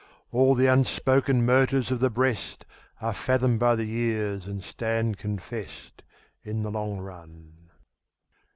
All the unspoken motives of the breast Are fathomed by the years and stand confess'd In the long run.